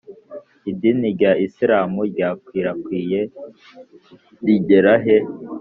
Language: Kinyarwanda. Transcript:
idini rya isiramu ryarakwirakwiye rigera he?